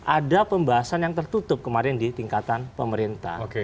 ada pembahasan yang tertutup kemarin di tingkatan pemerintah